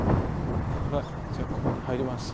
じゃあここに入ります。